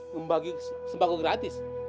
mau bagi sembako gratis